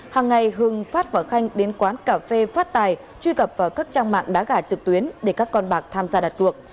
hàng ngày hưng phát và khanh đến quán cà phê phát tài truy cập vào các trang mạng đá gà trực tuyến để các con bạc tham gia đặt tuộc